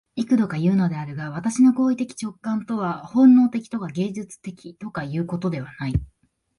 幾度かいうのであるが、私の行為的直観とは本能的とか芸術的とかいうことではない。